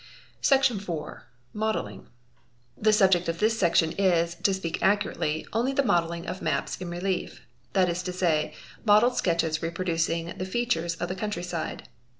i Section iv.—Modelling. The subject of this section is, to speak accurately, only the modelling | f maps in relief; that is to say, modelled sketches reproducing the atures of the countryside.